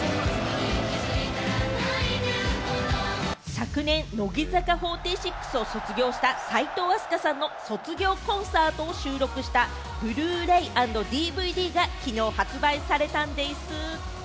昨年、乃木坂４６を卒業した、齋藤飛鳥さんの卒業コンサートを収録したＢｌｕ−ｒａｙ＆ＤＶＤがきのう発売されたんでぃす。